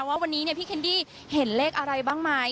ว่าวันนี้เนี่ยพี่เคนดี้เห็นเลขอะไรบ้างมั้ย